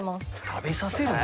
食べさせる？